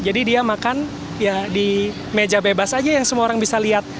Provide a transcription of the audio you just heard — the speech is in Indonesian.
jadi dia makan ya di meja bebas aja yang semua orang bisa lihat